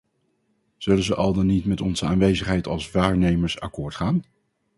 Zullen ze al dan niet met onze aanwezigheid als waarnemers akkoord gaan?